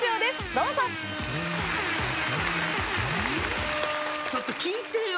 どうぞちょっと聞いてよ